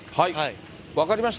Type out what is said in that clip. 分かりました。